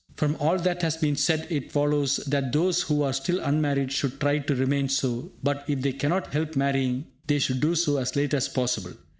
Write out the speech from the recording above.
From all that has been said, it follows that those who are still unmarried should try to remain so; but, if they cannot help marrying, they should do so as late as possible.